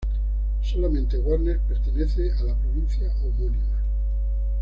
Solamente Warnes pertenece a la provincia homónima.